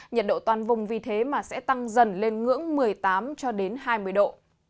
nhiệt độ toàn vùng vì thế mà sẽ tăng dần lên ngưỡng một mươi tám cho đến hai mươi độ